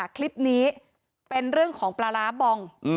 คลิปนี้เป็นเรื่องของปลาร้าบอง